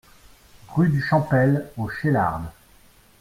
Rue de Champel au Cheylard